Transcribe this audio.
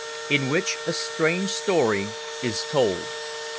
IN WHICH A STRANGE STORY IS TOLD.